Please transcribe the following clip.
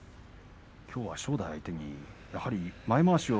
きょうは正代相手に前まわしを。